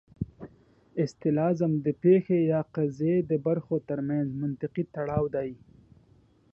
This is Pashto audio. استلزام د پېښې یا قضیې د برخو ترمنځ منطقي تړاو دی.